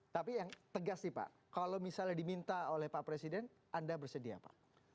tapi yang tegas sih pak kalau misalnya diminta oleh pak presiden anda bersedia pak